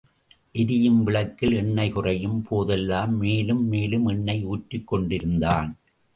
எரியும் விளக்கில் எண்ணெய் குறையும் போதெல்லாம், மேலும் மேலும் எண்ணெய் ஊற்றிக் கொண்டிருந்தான்.